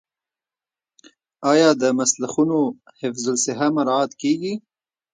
آیا د مسلخونو حفظ الصحه مراعات کیږي؟